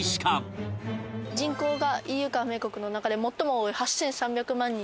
人口がＥＵ加盟国の中で最も多い８３００万人の。